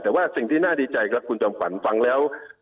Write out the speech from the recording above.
แต่ว่าสิ่งที่น่าดีใจครับคุณจอมขวัญฟังแล้ว